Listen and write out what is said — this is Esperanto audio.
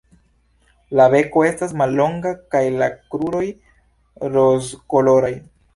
La beko estas mallonga kaj la kruroj rozkoloraj.